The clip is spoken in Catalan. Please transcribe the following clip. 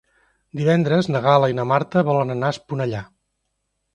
Divendres na Gal·la i na Marta volen anar a Esponellà.